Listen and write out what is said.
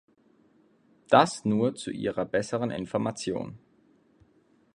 Das nur zu Ihrer besseren Information.